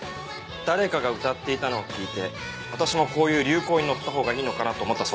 「誰かが歌っていたのを聞いて私もこういう流行に乗ったほうがいいのかなと思った」